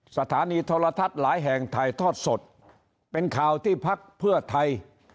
สถานีโทรทัศน์หลายแห่งถ่ายทอดสดเป็นข่าวที่พักเพื่อไทย